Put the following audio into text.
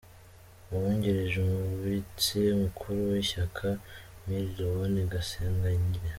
Uwungirije Umubitsi mukuru w’Ishyaka : Mlle Léonille Gasengayire